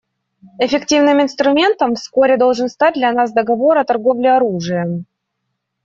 Эффективным инструментом вскоре должен стать для нас договор о торговле оружием.